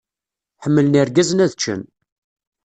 Ḥemmlen yirgazen ad ččen